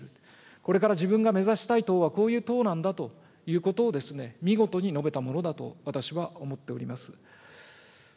これから自分が目指したい党は、こういう党なんだということを見事に述べたものだと、私は思っております。